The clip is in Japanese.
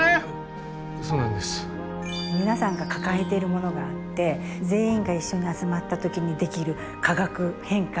皆さんが抱えているものがあって全員が一緒に集まった時にできる化学変化